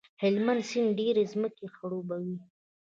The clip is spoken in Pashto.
هلمند سیند ډېرې ځمکې خړوبوي.